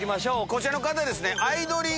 こちらの方ですね。